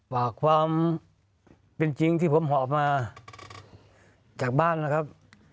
ฝากความเป็นจริงที่ผมหอบมาจากบ้านนะครับ